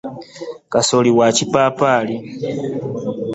Kasooli wa kipaapaali.